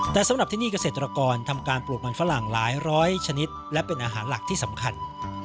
แต่สำหรับที่นี่เกษตรกรทำการปลูกมันฝรั่งหลายร้อยชนิดและเป็นอาหารหลักที่สำคัญ